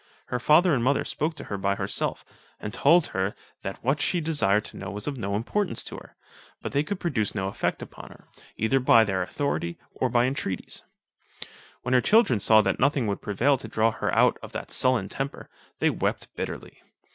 Her father and mother spoke to her by herself, and told her that what she desired to know was of no importance to her; but they could produce no effect upon her, either by their authority or intreaties. When her children saw that nothing would prevail to draw her out of that sullen temper, they wept bitterly.